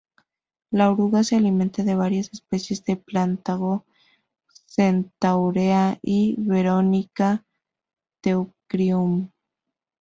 La oruga se alimenta de varias especies de "Plantago", "Centaurea" y "Veronica teucrium".